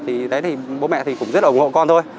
thì bố mẹ cũng rất là ủng hộ con thôi